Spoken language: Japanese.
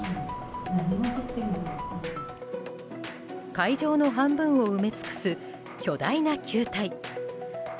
会場の半分を埋め尽くす巨大な球体。